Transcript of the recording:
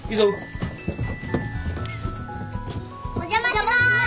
お邪魔します。